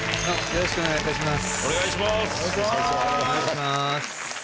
よろしくお願いします。